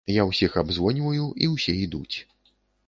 Я ўсіх абзвоньваю і ўсе ідуць.